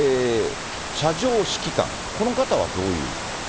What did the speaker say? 射場指揮官、この方はどういう。